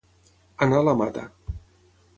Anar a la mata.